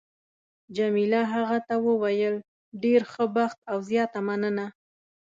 جميله هغه ته وویل: ډېر ښه بخت او زیاته مننه.